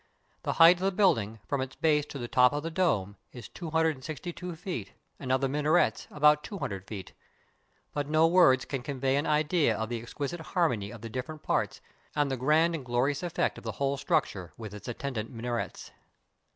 The height of the building, from its base to the top of the dome, is two hundred and sixty two feet, and of the minarets, about two hundred feet. But no words can convey an idea of the exquisite harmony of the different parts, and the grand and glorious effect of the whole structure, with its attendant minarets.